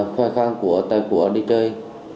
khoai khang của tài của đi chơi